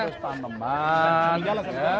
urusan teman ya